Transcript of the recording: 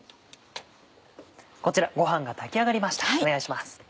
こちらご飯が炊き上がりましたお願いします。